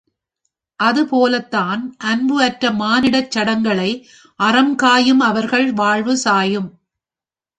அதுபோலத்தான் அன்பு அற்ற மானிடச் சடங்களை அறம் காயும் அவர்கள் வாழ்வு சாயும்.